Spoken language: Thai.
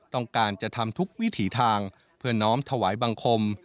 ต้องการจะทำทุกวิถีทางเพื่อน้อมถวายบังคม